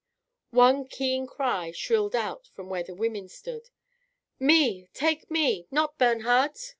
One keen cry shrilled out from where the women stood: "Me! take me! not Bernhard!"